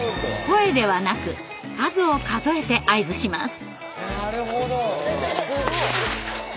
声ではなく数を数えて合図します。